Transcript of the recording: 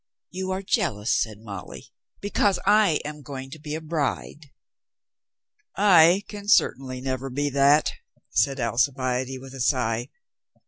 "You are jealous," said Molly, "because I am going to be a bride." "I can certainly never be that," said Alcibiade with a sigh.